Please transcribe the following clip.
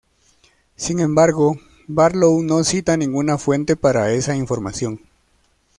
Sin embargo, Barlow no cita ninguna fuente para esa información.